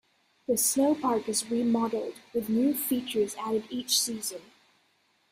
The snowpark is re-modelled with new features added each season.